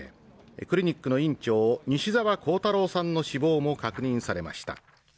クリニックの院長西澤弘太郎さんの死亡も確認されました